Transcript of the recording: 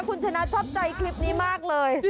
คุณชนะชอบใจคลิปนี้มากเลย